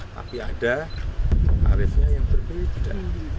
tapi ada tarifnya yang berbeda